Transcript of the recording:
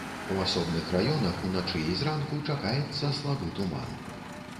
У асобных раёнах уначы і зранку чакаецца слабы туман.